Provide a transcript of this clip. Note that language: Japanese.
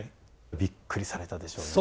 びっくりされたでしょうね。